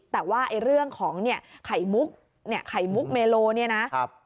แต่ว่าไอ้เรื่องของเนี้ยไขมุกเนี้ยไขมุกเมโลเนี้ยนะครับ